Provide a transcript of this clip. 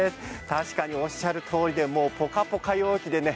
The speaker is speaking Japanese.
確かにおっしゃるとおりぽかぽか陽気でね。